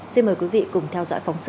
xin mời quý vị cùng theo dõi phóng sự